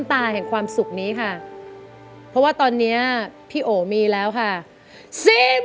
ถ้าเพลงนี้ไปเลยนะครับ